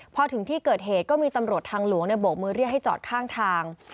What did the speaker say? พอถึงที่เกิดเหตุก็มีตำรวจทางหลวงโบกมือเรียกให้จอดข้างทาง